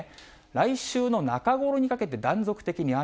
来週の中頃にかけて断続的に雨。